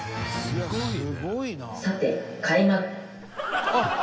「すごいな」